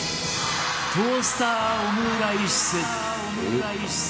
「トースターオムライス？」